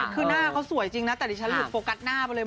คือหน้าเขาสวยจริงนะแต่ดิฉันหลุดโฟกัสหน้าไปเลย